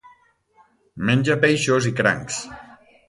Menja peixos i crancs.